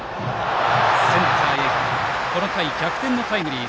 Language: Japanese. センターへこの回逆転のタイムリー。